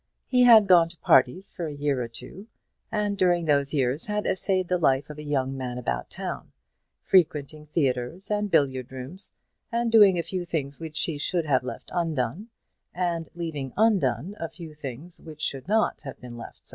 He had gone to parties for a year or two, and during those years had essayed the life of a young man about town, frequenting theatres and billiard rooms, and doing a few things which he should have left undone, and leaving undone a few things which should not have been so left.